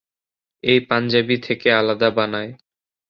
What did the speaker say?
এই পাঞ্জাবি থেকে আলাদা বানায়।